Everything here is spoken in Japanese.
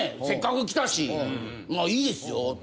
せっかく来たしいいですよ